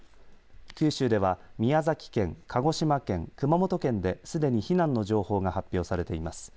九州では宮崎県鹿児島県、熊本県ですでに避難の情報が発表されています。